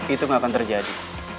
itu gak akan terjadi